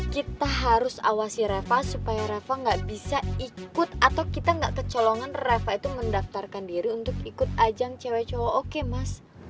kasih reva supaya reva gak bisa ikut atau kita gak kecolongan reva itu mendaftarkan diri untuk ikut ajang cewek cowok oke mas